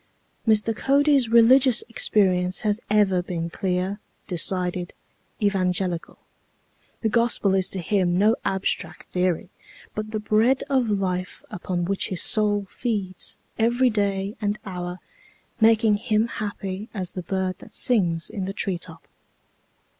Mr. Cody's religious experience has ever been clear, decided, evangelical. The Gospel is to him no abstract theory, but the bread of life upon which his soul feeds every day and hour, making him happy as the bird that sings in the tree top.